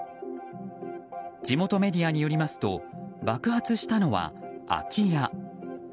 地元メディアによりますと爆発したのは空き家。